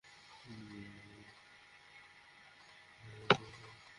সেই কমিটির সাংগঠনিক কার্যক্রম দেড় বছরের মাথায় এবার স্থগিত করেছে কেন্দ্র।